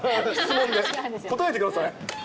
答えてください。